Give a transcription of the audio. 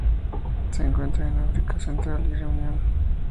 Se encuentra en África central y Reunión.